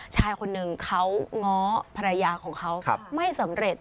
ชายคนหนึ่งเขาง้อภรรยาของเขาไม่สำเร็จ